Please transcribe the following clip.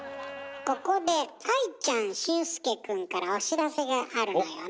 ここで愛ちゃん俊介くんからお知らせがあるのよね。